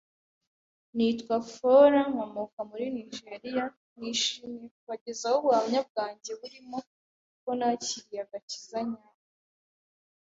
Nitwa Fola, nkomoka muri Nigeria nishimiye kubagezaho ubuhamya bwanjye burimo uko nakiriye agakiza nyako